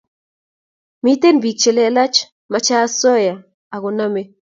Miten pik che lelen mache osoya ako name